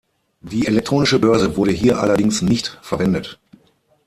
Die elektronische Börse wurde hier allerdings nicht verwendet.